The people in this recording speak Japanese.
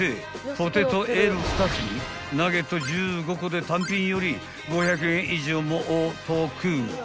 ［ポテトＬ２つにナゲット１５個で単品より５００円以上もお得］